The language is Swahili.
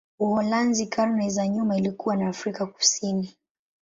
Uholanzi karne za nyuma ilikuwa na Afrika Kusini.